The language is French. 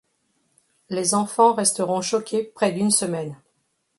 Les enfants resteront choqués près d'une semaine.